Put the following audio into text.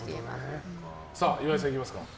岩井さん、いきますか。